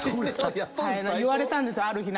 言われたんですある日。